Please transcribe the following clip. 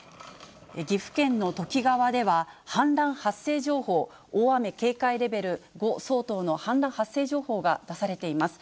岐阜県の土岐川では、氾濫発生情報、大雨警戒レベル５相当の氾濫発生情報が出されています。